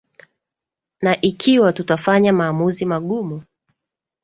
na ikiwa tutafanya maamuzi magumu